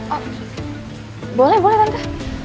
oh boleh boleh tante